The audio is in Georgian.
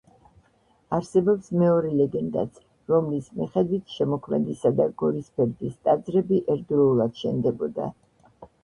არსებობს მეორე ლეგენდაც, რომლის მიხედვით შემოქმედისა და გორისფერდის ტაძრები ერთდროულად შენდებოდა.